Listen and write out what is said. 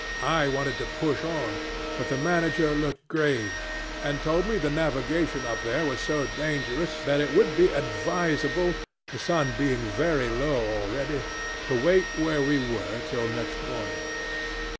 I wanted to push on; but the manager looked grave, and told me the navigation up there was so dangerous that it would be advisable, the sun being very low already, to wait where we were till next morning.